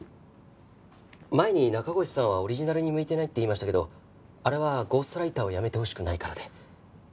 前に中越さんはオリジナルに向いてないって言いましたけどあれはゴーストライターをやめてほしくないからで。